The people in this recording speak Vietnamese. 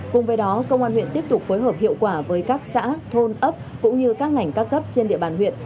cùng với đó công an huyện tiếp tục phối hợp hiệu quả với các xã thôn ấp cũng như các ngành các cấp trên địa bàn huyện